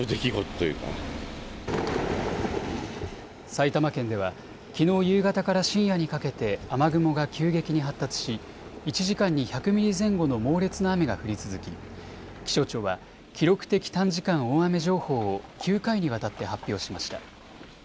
埼玉県ではきのう夕方から深夜にかけて雨雲が急激に発達し１時間に１００ミリ前後の猛烈な雨が降り続き気象庁は記録的短時間大雨情報を９回にわたって発表しました。